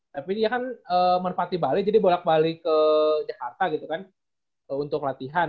tapi dia kan merpati bali jadi bolak balik ke jakarta gitu kan untuk latihan